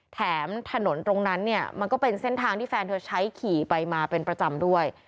แถมถนนตรงนั้นเนี่ยมันก็เป็นเส้นทางที่แฟนเธอใช้ขี่ไปมาเป็นประจำด้วย